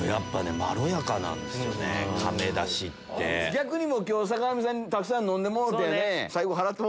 逆に今日坂上さんにたくさん飲んでもろうてやね。